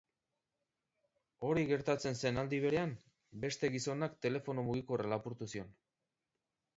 Hori gertatzen zen aldi berean, beste gizonak telefono mugikorra lapurtu zion.